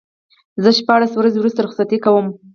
زه شپاړس ورځې وروسته رخصتي کوم.